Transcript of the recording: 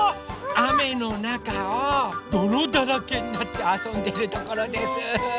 あめのなかをどろだらけになってあそんでるところです。